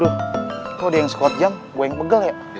kalo dia yang squat jam gue yang pegel ya